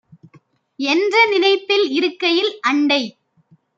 என்ற நினைப்பில் இருக்கையில், அண்டை